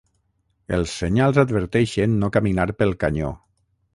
Els senyals adverteixen no caminar pel canyó.